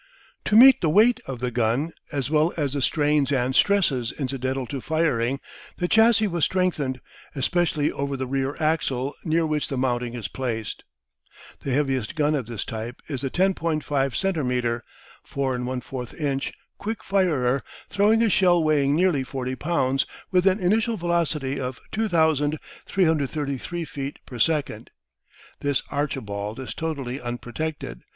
To meet the weight of the gun, as well as the strains and stresses incidental to firing, the chassis was strengthened, especially over the rear axle near which the mounting is placed. The heaviest gun of this type is the 10.5 centimetre (4 1/4 inch) quick firer, throwing a shell weighing nearly forty pounds, with an initial velocity of 2,333 feet per second. This "Archibald" is totally unprotected.